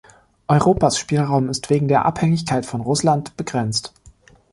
Europas Spielraum ist wegen der Abhängigkeit von Russland begrenzt.